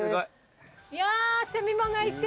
いやセミも鳴いて。